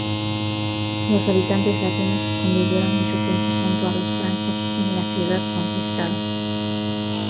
Los habitantes latinos convivieron mucho tiempo junto a los francos en la ciudad conquistada.